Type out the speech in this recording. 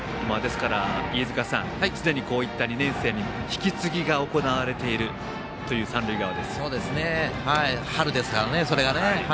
すでに、こういった２年生に引き継ぎが行われているという春ですからね、それが。